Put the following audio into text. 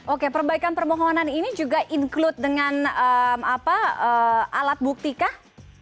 oke perbaikan permohonan ini juga include dengan alat bukti kah